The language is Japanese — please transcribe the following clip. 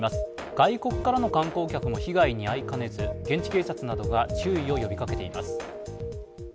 外国からの観光客も被害に遭いかねず現地警察などが注意を呼びかけています。